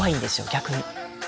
逆に。